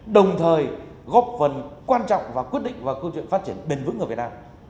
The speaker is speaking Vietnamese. đồng thời góp phần quan trọng và quyết định vào câu chuyện phát triển bền vững ở việt nam